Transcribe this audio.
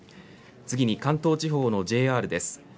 次に関東地方のＪＲです。